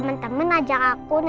temen temen ajak aku nempelin posnya